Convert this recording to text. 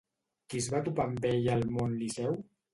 Qui es va topar amb ella al mont Liceu?